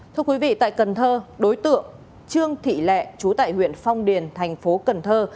thưa quý vị tại cần thơ đối tượng trương thị lệ trú tại huyện phong điền tp cần thơ